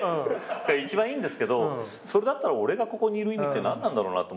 一番いいんですけどそれだったら俺がここにいる意味って何なんだろうなとも。